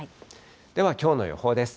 では、きょうの予報です。